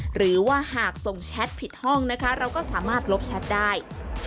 หรือว่าหากส่งแชทผิดห้องนะคะเราก็สามารถลบแชทได้